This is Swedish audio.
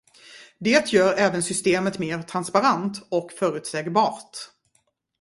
Det gör även systemet mer transparent och förutsägbart.